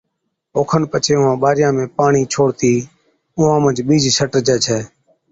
او کن پڇي اُونهان ٻارِيان ۾ پاڻِي ڇوڙتِي اُونهان منجھ ٻِيج ڇٽجَي ڇَي۔